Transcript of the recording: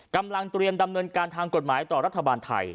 กำลังเตรียมดำเนินการทางกฎหมายต่อรัฐบาลไทย